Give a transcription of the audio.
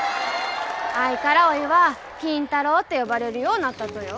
あいからおいは金太郎って呼ばれるようなったとよ